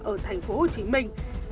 ở thành phố hồ chí minh